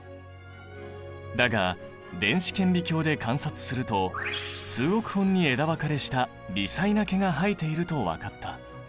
だが電子顕微鏡で観察すると数億本に枝分かれした微細な毛が生えていると分かった。